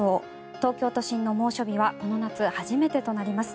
東京都心の猛暑日はこの夏初めてとなります。